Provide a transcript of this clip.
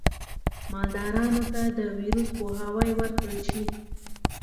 مالدارانو ته د ویروس پوهاوی ورکړل شي.